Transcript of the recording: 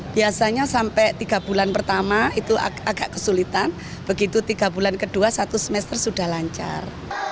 biasanya sampai tiga bulan pertama itu agak kesulitan begitu tiga bulan kedua satu semester sudah lancar